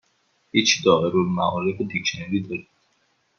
هیچ دائره المعارف دیکشنری دارید؟